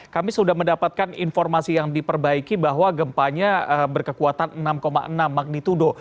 kami sudah mendapatkan informasi yang diperbaiki bahwa gempanya berkekuatan enam enam magnitudo